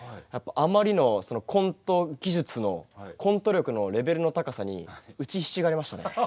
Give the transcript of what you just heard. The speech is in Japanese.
やっぱあまりのコント技術のコント力のレベルの高さに打ちひしがれましたね。